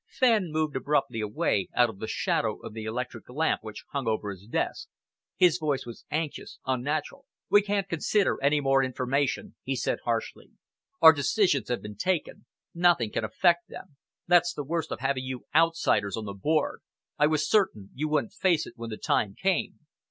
Fenn moved abruptly away, out of the shadow of the electric lamp which hung over his desk. His voice was anxious, unnatural. "We can't consider any more information," he said harshly. "Our decisions have been taken. Nothing can affect them. That's the worst of having you outsiders on the board. I was certain you wouldn't face it when the time came."